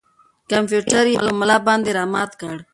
کمپیوټر یې په ملا باندې را مات کړ.